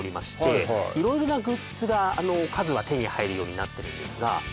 はい色々なグッズが数は手に入るようになってるんですが